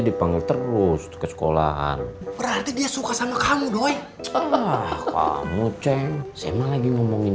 dipanggil terus ke sekolahan berarti dia suka sama kamu doi allah kamu ceng sema lagi ngomongin